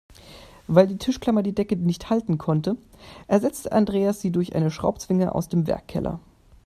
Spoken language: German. Weil die Tischklammer die Decke nicht halten konnte, ersetzte Andreas sie durch eine Schraubzwinge aus dem Werkkeller.